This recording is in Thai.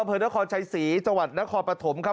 อำเภอนครชัยศรีจังหวัดนครปฐมครับ